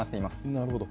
なるほど。